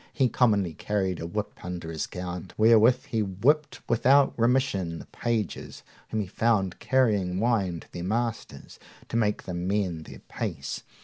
He commonly carried a whip under his gown, wherewith he whipped without remission the pages whom he found carrying wine to their masters, to make them mend their pace.